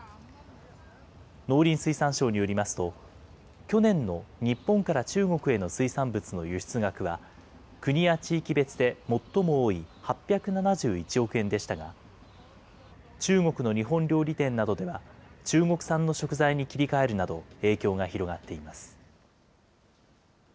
農林水産省によりますと、去年の日本から中国への水産物の輸出額は、国や地域別で最も多い８７１億円でしたが、中国の日本料理店などでは、中国産の食材に切り替えるなど、影響が広がっています。